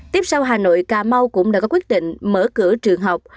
tiếp sau hà nội cà mau cũng đã có quyết định mở cửa trường học